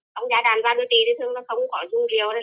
không giải đoàn ra rượu thì thường nó không có rung rượu